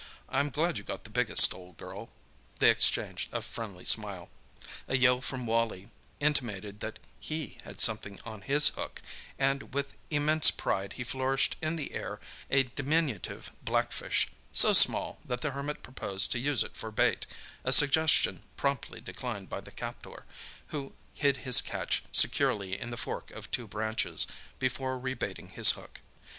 I'm glad you got the biggest, old girl." They exchanged a friendly smile. A yell from Wally intimated that he had something on his hook, and with immense pride he flourished in the air a diminutive blackfish—so small that the Hermit proposed to use it for bait, a suggestion promptly declined by the captor, who hid his catch securely in the fork of two branches, before re baiting his hook.